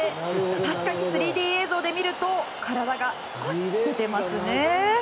確かに３Ｄ映像で見ると体が少し出てますね。